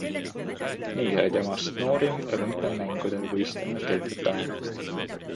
Nii sai temast noorim olümpiamängudel võistelnud kelgutaja.